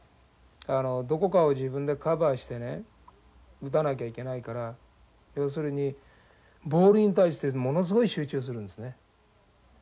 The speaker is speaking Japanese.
あのどこかを自分でカバーしてね打たなきゃいけないから要するにボールに対してものすごい集中するんですね。